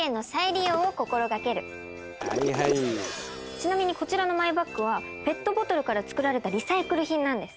ちなみにこちらのマイバッグはペットボトルから作られたリサイクル品なんです。